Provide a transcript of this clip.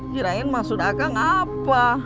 jirain maksud akang apa